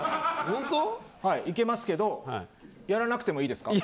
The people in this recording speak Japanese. いけますけどやらなくてもいいですか？